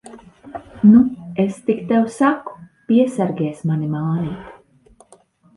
Nu, es tik tev saku, piesargies mani mānīt!